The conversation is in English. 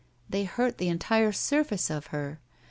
They hurt the entire surface of her.